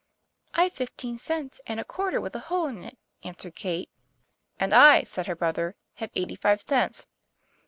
': 'I've fifteen cents and a quarter with a hole in it," answered Kate. "And I," said her brother, "have eighty five cents."